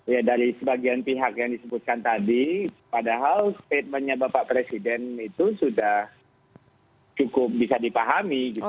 ya dari sebagian pihak yang disebutkan tadi padahal statementnya bapak presiden itu sudah cukup bisa dipahami gitu